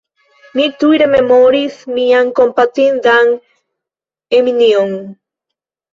Mi tuj rememoris mian kompatindan Eminjon.